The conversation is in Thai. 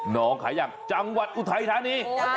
น้องขายังจังหวัดอุทัยธานี